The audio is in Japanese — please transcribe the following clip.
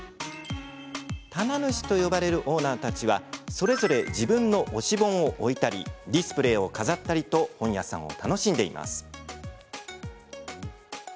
棚主と呼ばれるオーナーたちはそれぞれ自分の推し本を置いたりディスプレーを飾ったりと本屋さんを楽しんでいます。